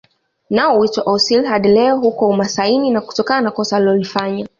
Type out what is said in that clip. Nao huitwa Osiri hadi leo huko umasaini na kutokana na kosa alilolifanya